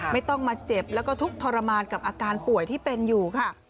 ไม่ต้องมาเจ็บแล้วก็ทุกข์ทรมานกับอาการป่วยที่เป็นอยู่ค่ะ